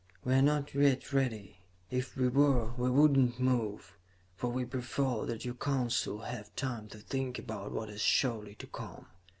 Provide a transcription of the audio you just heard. "'We are not yet ready. If we were, we would not move, for we prefer that your Council have time to think about what is surely to come.